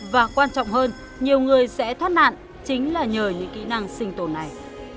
và quan trọng hơn nhiều người sẽ thoát nạn chính là nhờ những kỹ năng sinh tồn này